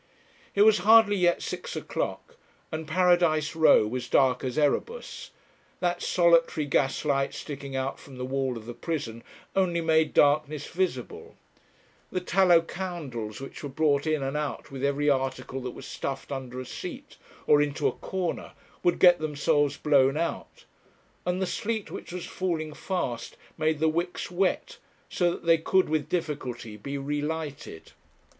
It was hardly yet six o'clock, and Paradise Row was dark as Erebus; that solitary gas light sticking out from the wall of the prison only made darkness visible; the tallow candles which were brought in and out with every article that was stuffed under a seat, or into a corner, would get themselves blown out; and the sleet which was falling fast made the wicks wet, so that they could with difficulty be relighted.